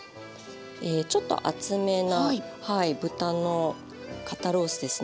ちょっと厚めな豚の肩ロースですね。